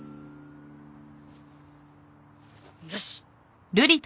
よし！